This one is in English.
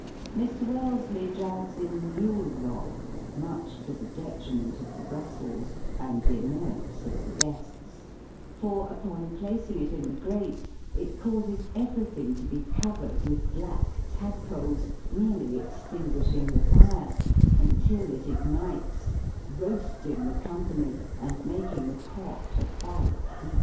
Mr. Wellesley drags in the yule log, much to the detriment of the Brussels, and the annoyance of the guests; for, upon placing it in the grate, it causes everything to be covered with black tadpoles, nearly extinguishing the fire until it ignites, roasting the company, and making the pot a white heat.